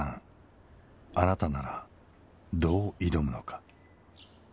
あなたならどう挑むのか。